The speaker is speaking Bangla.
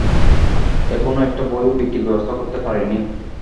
এখনো একটা বইও বিক্রির ব্যবস্থা করতে পারিনি।